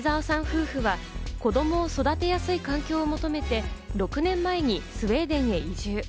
夫婦は子供を育てやすい環境を求めて６年前にスウェーデンへ移住。